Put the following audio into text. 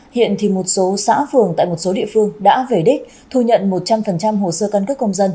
hiện thì một số xã phường tại một số địa phương đã về đích thu nhận một trăm linh hồ sơ căn cước công dân